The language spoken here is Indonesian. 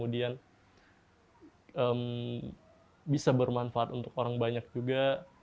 dan bisa bermanfaat untuk orang banyak juga